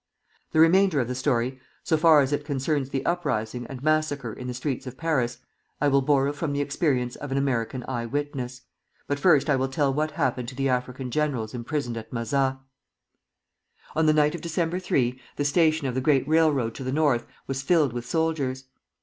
The remainder of the story, so far as it concerns the uprising and massacre in the streets of Paris, I will borrow from the experience of an American eye witness; but first I will tell what happened to the African generals imprisoned at Mazas. On the night of December 3 the station of the great railroad to the north was filled with soldiers.